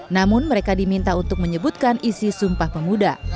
namun mereka diminta untuk menyebutkan isi sumpah pemuda